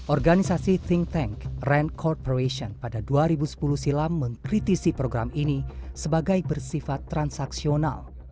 organisasi think tank raind corporation pada dua ribu sepuluh silam mengkritisi program ini sebagai bersifat transaksional